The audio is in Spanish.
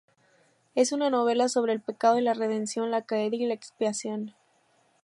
Es una novela sobre el pecado y la redención, la caída y la expiación.